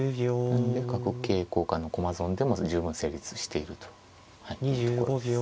なので角桂交換の駒損でも十分成立しているというところです。